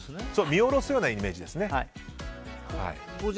見下ろすようなイメージですね。